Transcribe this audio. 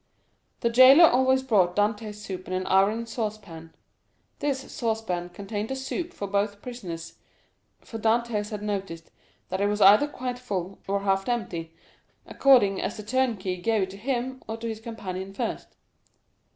The jailer always brought Dantès' soup in an iron saucepan; this saucepan contained soup for both prisoners, for Dantès had noticed that it was either quite full, or half empty, according as the turnkey gave it to him or to his companion first.